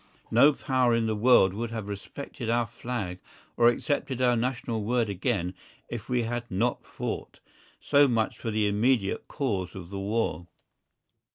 No Power in the world would have respected our Flag or accepted our national word again if we had not fought. So much for the immediate cause of the war.